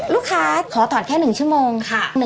ลูกค้าขอถอดแค่๑ชั่วโมง